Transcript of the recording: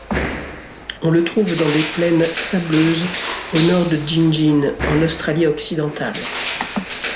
On le trouve dans des plaines sableuses au nord de Gingin, en Australie-Occidentale.